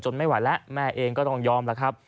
จนไม่ไหวละแม่เองก็ต้องยอมละครับ